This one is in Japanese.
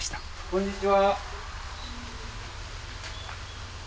こんにちは。